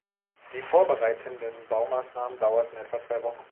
Die vorbereitenden Baumaßnahmen dauerten etwa zwei Wochen.